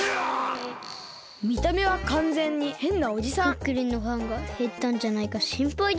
クックルンのファンがへったんじゃないかしんぱいです。